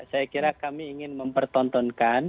saya kira kami ingin mempertontonkan